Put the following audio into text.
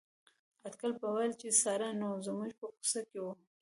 اټکل به ویل چې ساړه نو زموږ په کوڅه کې وو.